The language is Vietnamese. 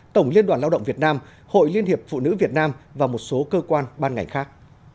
tổng liên đoàn lao động việt nam hội liên hiệp phụ nữ việt nam và một số cơ quan ban ngành khác